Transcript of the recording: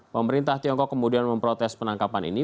pemerintah tiongkok kemudian memprotes penangkapan ini